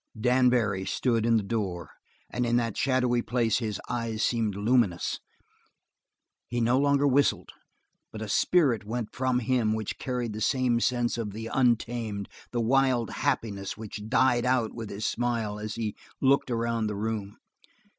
Dan Barry stood in the door and in that shadowy place his eyes seemed luminous. He no longer whistled, but a spirit went from him which carried the same sense of the untamed, the wild happiness which died out with his smile as he looked around the room.